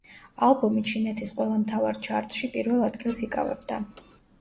ალბომი ჩინეთის ყველა მთავარ ჩარტში პირველ ადგილს იკავებდა.